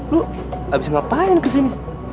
lu habis ngapain kesini